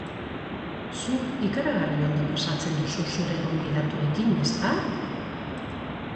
Zuk ikaragarri ondo pasatzen duzu zure gonbidatuekin, ezta?